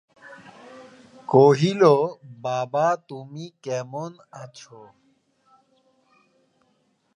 কহিল, বাবা, তুমি কেমন আছ?